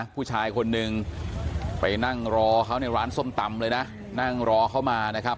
ผู้ชายคนนึงไปนั่งรอเขาในร้านส้มตำเลยนะนั่งรอเขามานะครับ